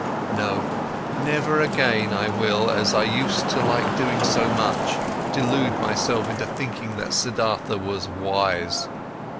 No, never again I will, as I used to like doing so much, delude myself into thinking that Siddhartha was wise!